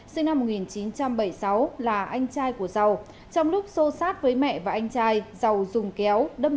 sinh năm một nghìn chín trăm bảy mươi sáu là anh trai của dầu trong lúc xô sát với mẹ và anh trai giàu dùng kéo đâm